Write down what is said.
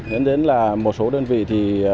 đến đến là một số đơn vị thì